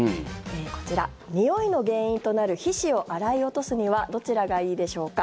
こちら、においの原因となる皮脂を洗い落とすにはどちらがいいでしょうか？